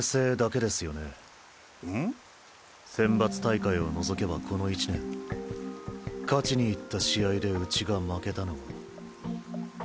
選抜大会を除けばこの１年勝ちに行った試合でうちが負けたのは。